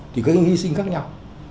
thì có những hy sinh khác nhau